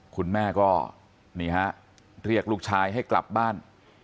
คุณแม่ก็นี่ฮะเรียกลูกชายให้กลับบ้าน